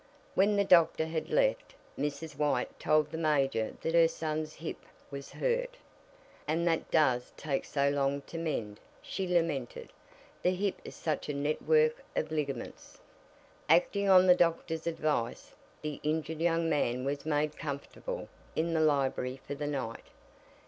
When the doctor had left, Mrs. White told the major that her son's hip was hurt. "And that does take so long to mend," she lamented. "The hip is such a network of ligaments." Acting on the doctor's advice, the injured young man was made comfortable in the library for the night.